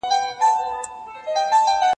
لڅ په خوب کرباس ويني